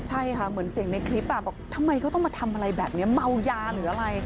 ใช่ค่ะเหมือนเสียงในคลิปบอกทำไมเขาต้องมาทำอะไรแบบนี้เมายาหรืออะไร